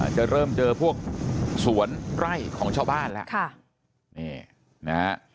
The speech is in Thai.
จะเริ่มเจอพวกสวนไร่ของชาวบ้านแล้วค่ะนี่นะฮะ